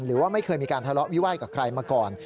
หรือว่าไม่เคยมีการทะเลาะวิวาสกับใครมาก่อน